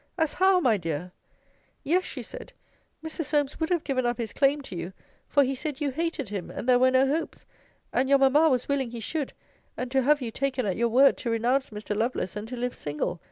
As how, my dear? Yes; she said, Mr. Solmes would have given up his claim to you; for he said, you hated him, and there were no hopes; and your mamma was willing he should; and to have you taken at your word, to renounce Mr. Lovelace and to live single.